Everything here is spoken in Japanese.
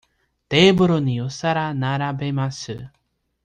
テーブルにお皿を並べます。